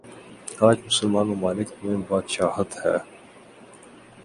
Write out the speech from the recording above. آج مسلمان ممالک میںبادشاہت ہے۔